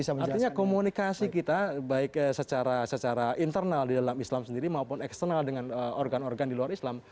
artinya komunikasi kita baik secara internal di dalam islam sendiri maupun eksternal dengan organ organ di luar islam